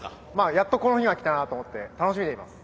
やっとこの日がきたなと思って楽しみでいます。